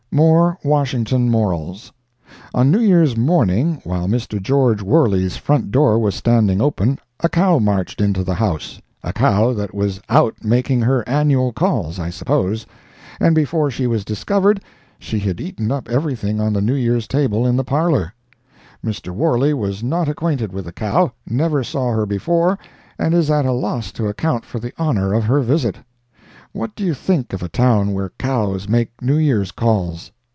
More Washington Morals. On New Year's morning, while Mr. George Worley's front door was standing open, a cow marched into the house—a cow that was out making her annual calls, I suppose—and before she was discovered she had eaten up everything on the New Year's table in the parlor! Mr. Worley was not acquainted with the cow, never saw her before, and is at a loss to account for the honor of her visit. What do you think of a town where cows make New Year's calls?